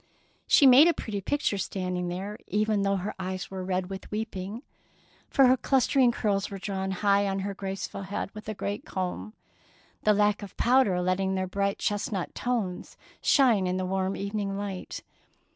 She made a pretty picture standing there, even though her eyes were red 9 129 DEEDS OF DAEING with weeping, for her clustering curls were drawn high on her graceful head with a great comb, the lack of powder letting their bright chestnut tones shine in the warm evening light.